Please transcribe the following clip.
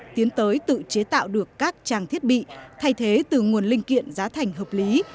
tiến tới tự chế tạo được các trang thiết bị thay thế từ nguồn linh kiện giá thành hợp lý